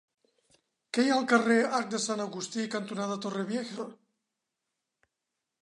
Què hi ha al carrer Arc de Sant Agustí cantonada Torrevieja?